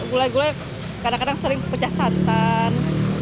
gulai gulai kadang kadang sering pecah santan